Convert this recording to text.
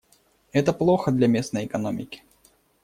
Это плохо для местной экономики.